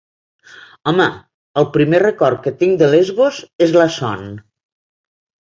Home, el primer record que tinc de Lesbos és la son.